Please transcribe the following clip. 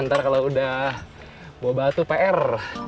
ntar kalau udah bawa batu pr